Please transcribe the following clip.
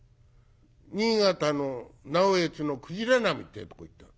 新潟の直江津の鯨波っていうとこ行った。